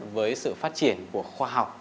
với sự phát triển của khoa học